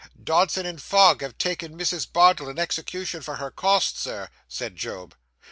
'Dodson and Fogg have taken Mrs. Bardell in execution for her costs, Sir,' said Job.